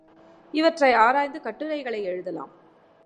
இவற்றை ஆராய்ந்து கட்டுரைகளை எழுதலாம்.